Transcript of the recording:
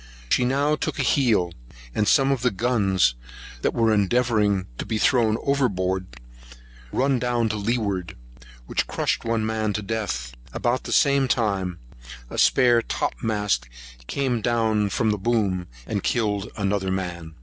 She now took a heel, and some of the guns they were endeavouring to throw over board run down to leeward, which crushed one man to death; about the same time, a spare topmast came down from the booms, and killed another man.